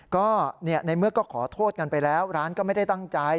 ก็ในเมื่อก็ขอโทษกันไปแล้วร้านก็ไม่ได้ตั้งใจ